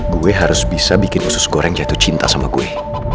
gue harus bisa bikin usus goreng jatuh cinta sama kue